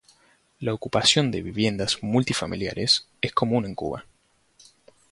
La ocupación de viviendas multifamiliares es común en Cuba.